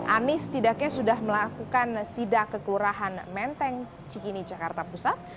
anis tidaknya sudah melakukan sidak kekelurahan menteng cikini jakarta pusat